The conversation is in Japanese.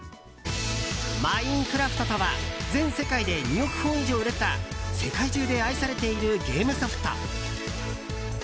「マインクラフト」とは全世界で２億本以上売れた世界中で愛されているゲームソフト。